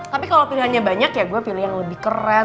tapi kalau pilihannya banyak ya gue pilih yang lebih keren